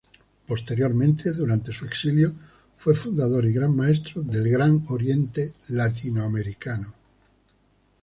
Posteriormente, durante su exilio, fue fundador y gran Maestro del Gran Oriente Latinoamericano.